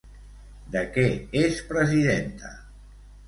De què és presidenta?